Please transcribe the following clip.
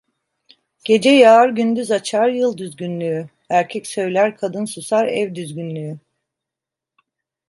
Gece yağar gündüz açar, yıl düzgünlüğü; erkek söyler kadın susar, ev düzgünlüğü.